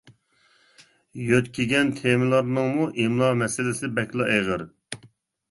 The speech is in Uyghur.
يۆتكىگەن تېمىلارنىڭمۇ ئىملا مەسىلىسى بەكلا ئېغىر.